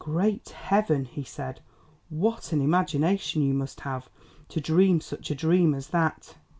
"Great heaven!" he said, "what an imagination you must have to dream such a dream as that."